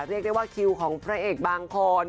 เรียกได้ว่าคิวของพระเอกบางคน